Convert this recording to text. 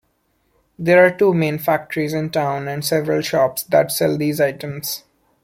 There are two main factories in town and several shops that sell these items.